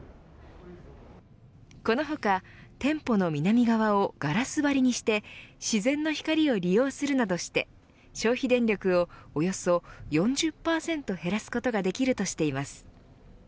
この他、店舗の南側をガラス張りにして自然の光を利用するなどして消費電力を、およそ４０％減らすことができるとしています。